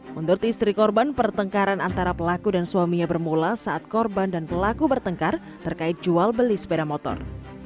menurut istri korban pertengkaran antara pelaku dan suaminya bermula saat korban dan pelaku bertengkar terkait jual beli sepeda motor